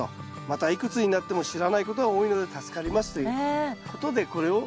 またいくつになっても知らないことが多いので助かりますということでこれを。